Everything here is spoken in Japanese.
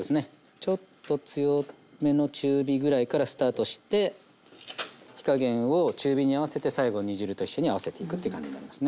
ちょっと強めの中火ぐらいからスタートして火加減を中火に合わせて最後煮汁と一緒に合わせていくという感じになりますね。